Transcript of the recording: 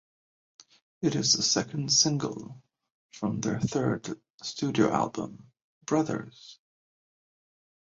It is the second single from their third studio album "Brothers".